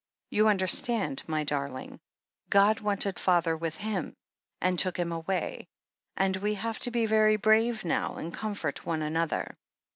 "You understand, my darling? God wanted father with Him, and took him away, and we have to be very brave now, and comfort one another."